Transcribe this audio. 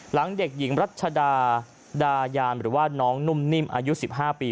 หลังเด็กหญิงรัชดาดายานหรือว่าน้องนุ่มนิ่มอายุ๑๕ปี